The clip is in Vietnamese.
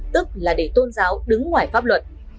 tức là để tôn giáo đứng ngoài pháp luật